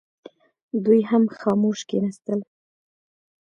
دوی هم خاموش کښېنستل.